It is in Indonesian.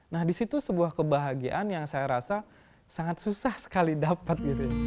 nah di situ sebuah kebahagiaan yang saya rasa sangat susah sekali dapat